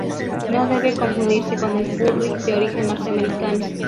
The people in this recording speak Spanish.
No debe confundirse con el "furry", de origen norteamericano.